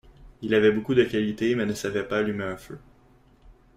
Il avait beaucoup de qualités mais ne savait pas allumer un feu.